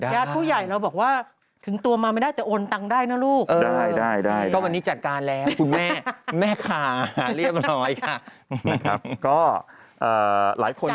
ญาติผู้ใหญ่เราบอกว่าถึงตัวมาไม่ได้แต่โอนตังค์ได้นะลูก